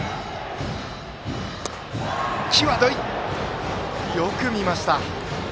際どい、よく見ました！